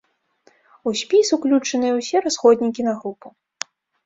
У спіс уключаныя ўсе расходнікі на групу.